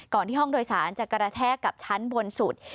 ที่ห้องโดยสารจะกระแทกกับชั้นบนสุด